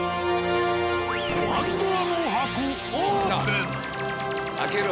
パンドラの箱オープン！